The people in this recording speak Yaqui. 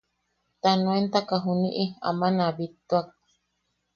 Ta nuentaka juniʼi aman a bittuak.